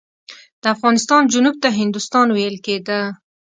د افغانستان جنوب ته هندوستان ویل کېده.